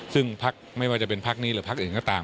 ซึ่งพักไม่ว่าจะเป็นพักนี้หรือพักอื่นก็ตาม